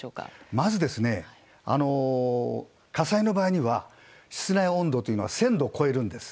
まず火災の場合には室内温度が１０００度を超えるんです。